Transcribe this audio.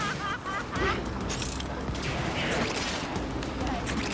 いやいい！